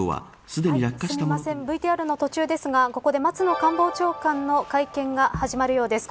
すみませんＶＴＲの途中ですがここで松野官房長官の会見が始まるようです。